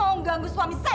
ya sudah kamu kembalikan